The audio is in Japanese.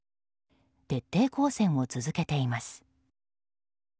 徹底抗戦を続けています。